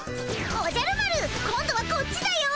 おじゃる丸今度はこっちだよ。